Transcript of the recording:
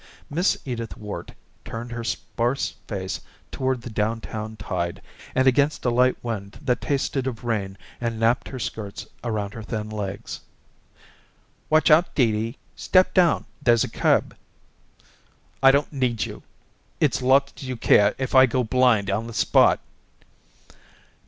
Miss Edith Worte turned her sparse face toward the down town tide and against a light wind that tasted of rain and napped her skirts around her thin legs. "Watch out, Dee Dee! Step down; there's a curb." "I don't need you. It's lots you care if I go blind on the spot."